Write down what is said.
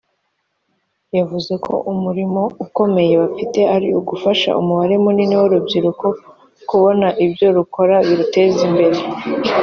yavuze ko umurimo ukomeye bafite ari ugufasha umubare munini w’urubyiruko kubona ibyo rukora biruteza imbere